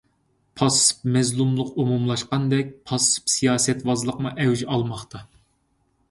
پاسسىپ مەزلۇملۇق ئومۇملاشقاندەك، پاسسىپ سىياسەتۋازلىقمۇ ئەۋج ئالماقتا.